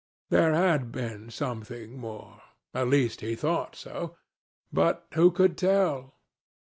There had been something more. At least he thought so. But who could tell?